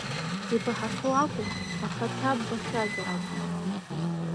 Ибаҳахьоу акәым, ахаҭа ббахьазар акәын.